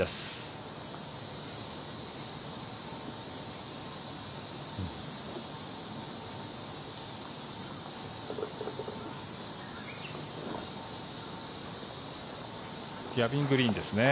ギャビン・グリーンですね。